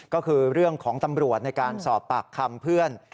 ก็คือเรื่องของตำรวจในการสอบปากคำเพื่อน